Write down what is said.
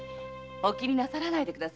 気になさらないでください。